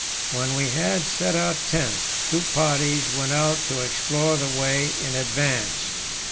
When we had set our tent, two parties went out to explore the way in advance.